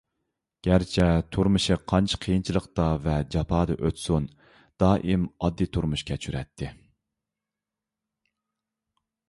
گەرچە تۇرمۇشى قانچە قىيىنچىلىقتا ۋە جاپادا ئۆتسۇن، دائىم ئاددىي تۇرمۇش كەچۈرەتتى.